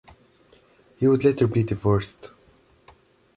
He would later be divorced.